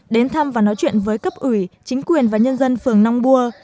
đến thăm và nói chuyện với cấp ủy chính quyền và nhân dân phường nong bua